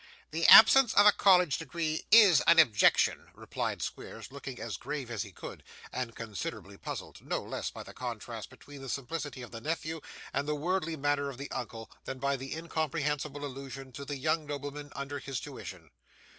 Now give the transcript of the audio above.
'The absence of a college degree IS an objection,' replied Squeers, looking as grave as he could, and considerably puzzled, no less by the contrast between the simplicity of the nephew and the worldly manner of the uncle, than by the incomprehensible allusion to the young noblemen under his tuition.